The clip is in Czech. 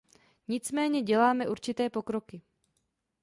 Nicméně děláme určité pokroky.